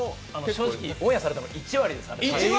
正直、オンエアされたの１割です。